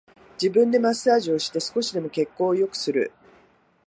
自分でマッサージをして少しでも血行を良くする